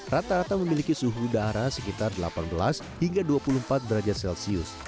rata rata memiliki suhu udara sekitar delapan belas hingga dua puluh empat derajat celcius